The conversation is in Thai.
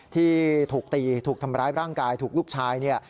ที่ถูกตีถูกทำร้ายร่างกายถูกลูกชายเนี่ย